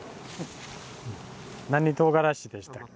何とうがらしでしたっけ？